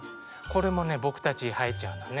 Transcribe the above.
これもね僕たち生えちゃうのね。